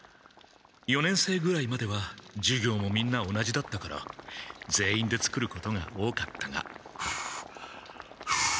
四年生ぐらいまでは授業もみんな同じだったから全員で作ることが多かったがフフ。